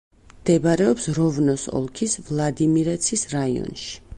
მდებარეობს როვნოს ოლქის ვლადიმირეცის რაიონში.